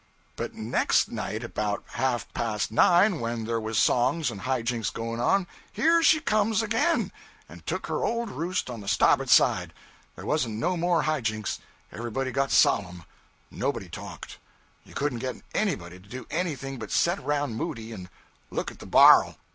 'But next night about half past nine, when there was songs and high jinks going on, here she comes again, and took her old roost on the stabboard side. There warn't no more high jinks. Everybody got solemn; nobody talked; you couldn't get anybody to do anything but set around moody and look at the bar'l.